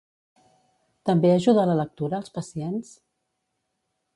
També ajuda la lectura als pacients?